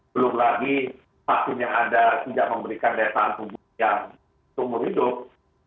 belum lagi vaksin yang ada tidak memberikan daya tahan tubuh yang seumur hidup